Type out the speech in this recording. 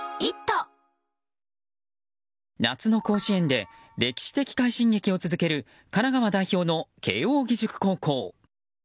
夏の甲子園で歴史的快進撃を続ける神奈川代表の慶応義塾高校。